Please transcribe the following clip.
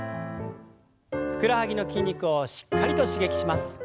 ふくらはぎの筋肉をしっかりと刺激します。